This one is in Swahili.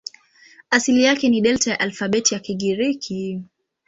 Asili yake ni Delta ya alfabeti ya Kigiriki.